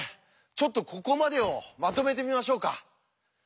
ちょっとここまでをまとめてみましょうか。